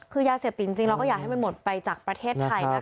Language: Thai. คือยาเสพติดจริงเราก็อยากให้มันหมดไปจากประเทศไทยนะคะ